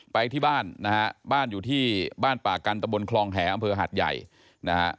ไปที่บ้านนะฮะบ้านอยู่ที่บ้านป่ากันตะบนคลองแหอำเภอหาดใหญ่นะฮะ